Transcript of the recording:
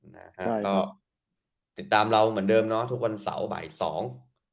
นะฮะก็ติดตามเราเหมือนเดิมเนาะทุกวันเสาร์บ่ายสอง